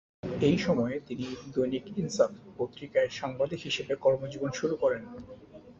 এ সময়ে তিনি 'দৈনিক ইনসাফ' পত্রিকায় সাংবাদিক হিসেবে কর্মজীবন শুরু করেন।